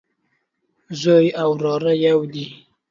زوی او وراره يودي